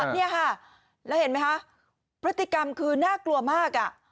นี่ค่ะแล้วเห็นไหมคะพฤติกรรมคือน่ากลัวมากอ่ะ